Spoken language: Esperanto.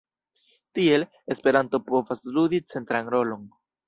Tiel, Esperanto povas ludi centran rolon.